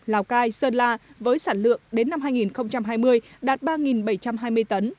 lào cai sơn la với sản lượng đến năm hai nghìn hai mươi đạt ba bảy trăm hai mươi tấn